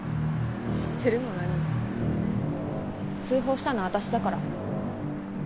知ってるも何も通報したの私だから。